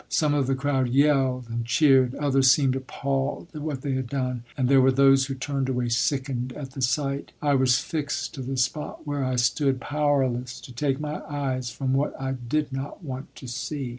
Some of the crowd yelled and cheered, others seemed appalled at what they had done, and there were those who turned away sickened at the sight. I was fixed to the spot where I stood, powerless to take my eyes from what I did not want to see.